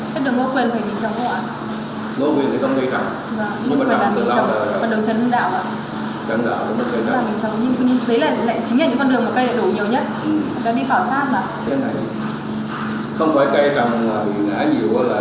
cây đường cô quyền phải bị chóng không ạ